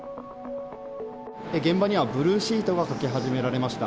現場にはブルーシートがかけ始められました。